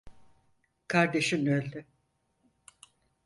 Kardeşin öldü.